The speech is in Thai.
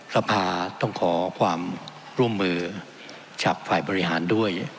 สภาต้องขอความร่วมมือจากฝ่ายบริหารด้วย